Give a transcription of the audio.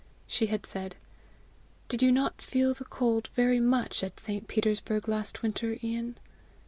She had said "Did you not feel the cold very much at St. Petersburg last winter, Ian?"